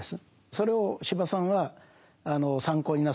それを司馬さんは参考になさってる。